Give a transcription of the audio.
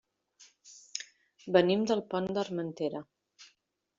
Venim del Pont d'Armentera.